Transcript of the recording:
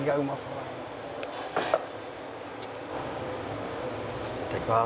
いただきます。